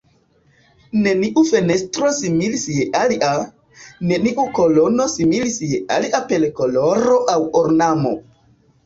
Neniu fenestro similis je alia, neniu kolono similis je alia per koloro aŭ ornamo.